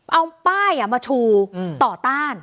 เอาป้ายมาชูต่อต้าน